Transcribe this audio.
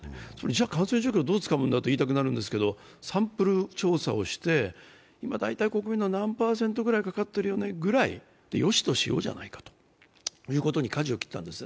じゃ感染初期をどうつかむんだと言いたくなりますけどサンプル調査をして、大体国民の何パーセントぐらいかかってるよねぐらいでよしとしようかということにかじを切ったんです。